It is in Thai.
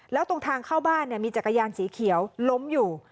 แล้วตรงทางเข้าบ้านมีจักรยานสีเขียวล้มอยู่